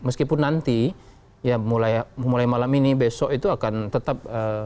meskipun nanti ya mulai malam ini besok itu akan tetap